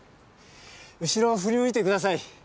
後ろ振り向いて下さい。